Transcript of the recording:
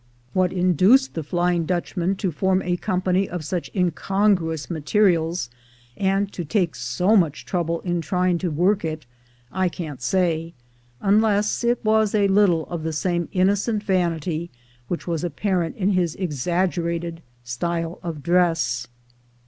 ^^^lat induced the Flying Dutchman to form a company of such incongruous miaterials, and to take so much trouble in trying to work it, I can't say, unless it was a little of the sam.e innocent vanity which was apparent in his exaggerated st}"le of dress.